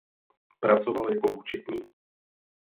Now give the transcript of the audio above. Pracoval jako účetní.